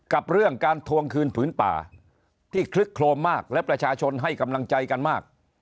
กับเรื่องการทวงคืนผืนป่าที่คลึกโครมมากและประชาชนให้กำลังใจกันมาก